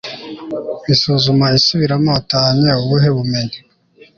isubiramo isuzuma utahanye ubuhe bumenyi